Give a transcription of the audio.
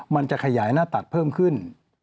มันจะขยายหน้าตักเพิ่มขึ้น